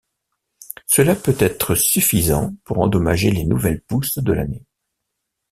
Cela peut être suffisant pour endommager les nouvelles pousses de l’année.